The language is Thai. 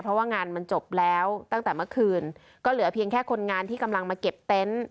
เพราะว่างานมันจบแล้วตั้งแต่เมื่อคืนก็เหลือเพียงแค่คนงานที่กำลังมาเก็บเต็นต์